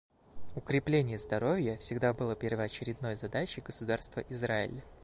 Укрепление здоровья всегда было первоочередной задачей государства Израиль.